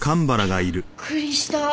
びっくりした。